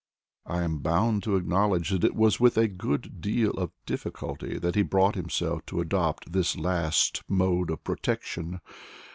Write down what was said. I am bound to acknowledge that it was with a good deal of difficulty that he brought himself to adopt this last mode of protection.